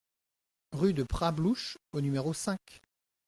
Rue de Prat Blouch au numéro cinq